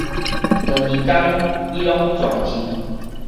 兩年間伊攏全勤